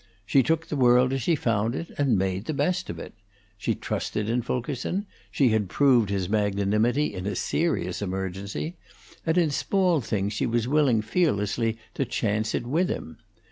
She took the world as she found it, and made the best of it. She trusted in Fulkerson; she had proved his magnanimity in a serious emergency; and in small things she was willing fearlessly to chance it with him.